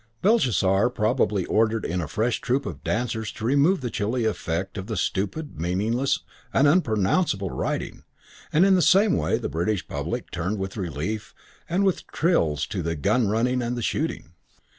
Belshazzar probably ordered in a fresh troupe of dancers to remove the chilly effect of the stupid, meaningless and unpronounceable writing, and in the same way the British public turned with relief and with thrills to the gun running and the shooting.